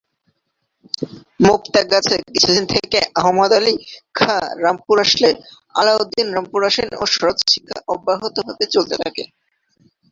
মুক্তাগাছা কিছুদিন থেকে আহমদ আলী খাঁ রামপুর আসলে আলাউদ্দিন রামপুর আসেন ও সরোদ শিক্ষা অব্যাহত ভাবে চলতে থাকে।